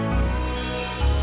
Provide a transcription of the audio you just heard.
sekarang gue jatuh semua nasi udah